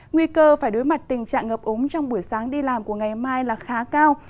nguy cơ phải đối mặt tình trạng ngập ống trong buổi sáng đi làm của ngày mai là khá cao